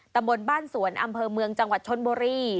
ตำบลบ้านสวนอำเภอเมืองจังหวัดชนบุรี